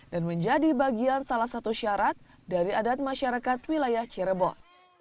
dan menjadi bagian salah satu syarat dari adat masyarakat wilayah cirebon